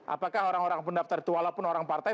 apakah orang orang pendaftar itu walaupun orang partai